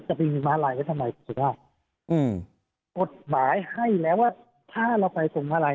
จะมีม้าลายไว้ทำไมคุณสุภาพอืมกฎหมายให้แล้วว่าถ้าเราไปตรงมาลัย